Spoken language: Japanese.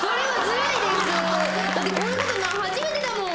だってこういうこと初めてだもん。